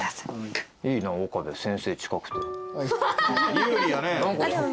有利やね。